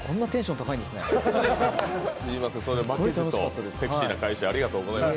セクシーな返しありがとうございます。